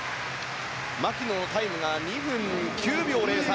牧野のタイムが２分９秒０３。